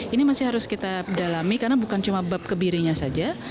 ini masih harus kita dalami karena bukan cuma bab kebirinya saja